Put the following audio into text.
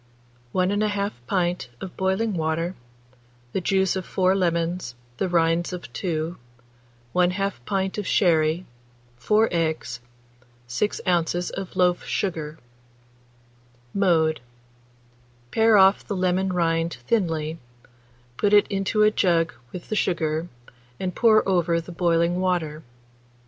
1 1/2 pint of boiling water, the juice of 4 lemons, the rinds of 2, 1/2 pint of sherry, 4 eggs, 6 oz. of loaf sugar. Mode. Pare off the lemon rind thinly, put it into a jug with the sugar, and pour over the boiling water.